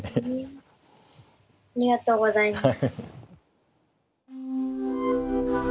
ありがとうございます。